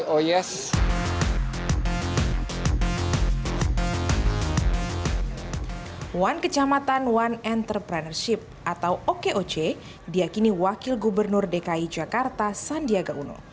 one kecamatan one entrepreneurship atau okoc diakini wakil gubernur dki jakarta sandiaga uno